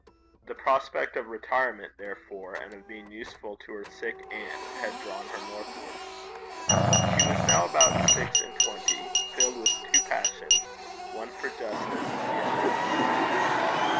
The prospect of retirement, therefore, and of being useful to her sick aunt, had drawn her northwards. She was now about six and twenty, filled with two passions one for justice, the other for music.